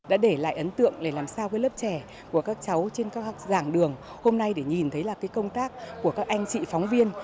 đã để lại ấn tượng để làm sao lớp trẻ của các cháu trên cao giảng đường hôm nay để nhìn thấy là công tác của các anh chị phóng viên